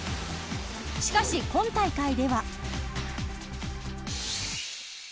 しかし、今大会では。